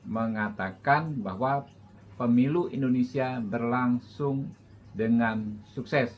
mengatakan bahwa pemilu indonesia berlangsung dengan sukses